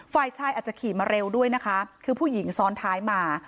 ฝ่ายชายอาจจะขี่มาเร็วด้วยนะคะคือผู้หญิงซ้อนท้ายมา